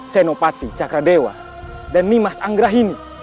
senopati cakradewa dan nimas anggrai ini